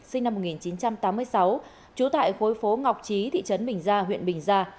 sinh năm một nghìn chín trăm tám mươi sáu trú tại khối phố ngọc trí thị trấn bình gia huyện bình gia